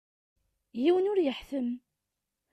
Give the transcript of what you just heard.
Yiwen ur yuḥtam.